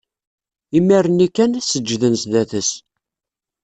Imir-nni knan, seǧǧden zdat-s.